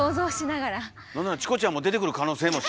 なんならチコちゃんも出てくる可能性も。